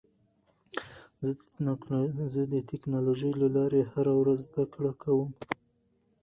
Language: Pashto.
زه د ټکنالوژۍ له لارې هره ورځ زده کړه کوم.